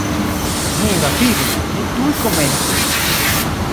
Nu, rapidu, ni tuj komencu!